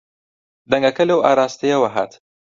دەنگەکە لەو ئاراستەیەوە هات.